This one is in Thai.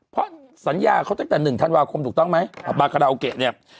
เพราะสัญญาเขาตั้งแต่๑ธันวาคมถูกต้องไหมบาคาราโอเกะเนี่ย